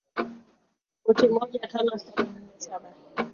uti moja tano saba nne saba